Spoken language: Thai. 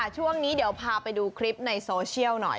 ช่วงนี้เดี๋ยวพาไปดูคลิปในโซเชียลหน่อย